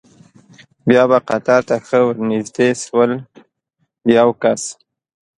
بیا به قطار ته ښه ور نږدې شول، د یو کس.